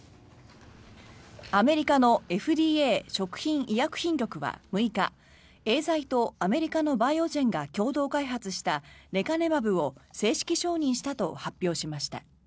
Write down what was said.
アメリカのＦＤＡ・食品医薬品局は６日エーザイとアメリカのバイオジェンが共同開発したレカネマブを正式承認したと発表しました。